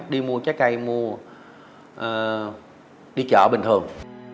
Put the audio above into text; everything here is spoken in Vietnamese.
đi mua trái cây đi chợ bình thường